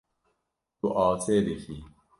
Tu asê dikî.